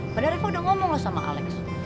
padahal aku udah ngomong loh sama alex